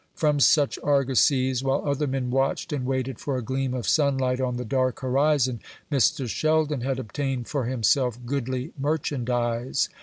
From such argosies, while other men watched and waited for a gleam of sunlight on the dark horizon, Mr. Sheldon had obtained for himself goodly merchandise.